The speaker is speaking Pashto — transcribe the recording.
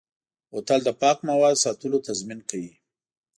بوتل د پاکو موادو ساتلو تضمین کوي.